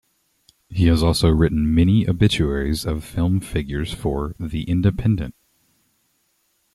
He has also written many obituaries of film figures for "The Independent".